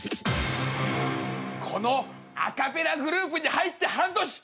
このアカペラグループに入って半年。